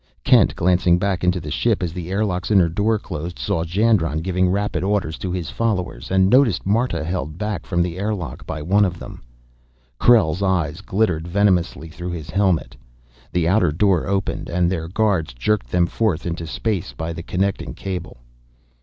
Kent, glancing back into the ship as the airlock's inner door closed, saw Jandron giving rapid orders to his followers, and noticed Marta held back from the airlock by one of them. Krell's eyes glittered venomously through his helmet. The outer door opened, and their guards jerked them forth into space by the connecting cable.